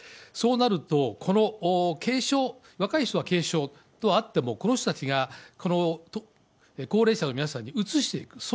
そうなると、軽症、若い人たちは軽症とあっても、この人たちが、高齢者の皆さんにうつしていく。